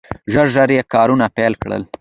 ژر ژر یې کارونه پیل کړل.